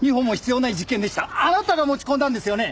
あなたが持ち込んだんですよね？